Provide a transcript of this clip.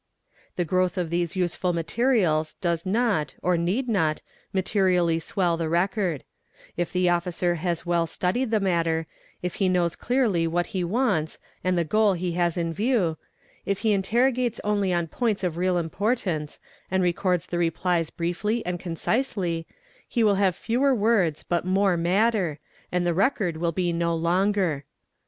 'The growth of these useful materials does not, wu need not, materially swell the record; if the Officer has well studied the matter, 1f he knows clearly what he wants and the gaol he has in View, if he interrogates only on points of real importance and records e replies briefly and concisely, he will have fewer words but more ; natter, and the record will be no longer.